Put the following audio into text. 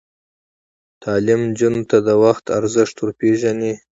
تعلیم نجونو ته د وخت ارزښت ور پېژني.